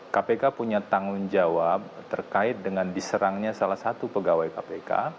kpk punya tanggung jawab terkait dengan diserangnya salah satu pegawai kpk